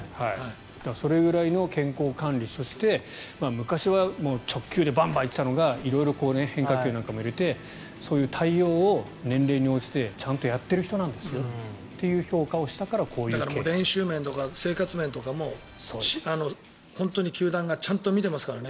それぐらいの健康管理そして昔は直球でバンバン行っていたのが色々変化球なんかも入れてそういう対応を年齢に応じてちゃんとやっている人なんですよという評価をしたから練習面とか生活面も本当に球団がちゃんと見ていますからね。